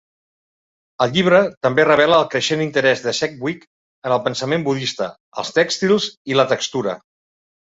El llibre també revela el creixent interès de Sedgwick en el pensament budista, els tèxtils i la textura.